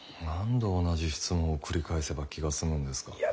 何度同じ質問を繰り返せば気が済むんですか？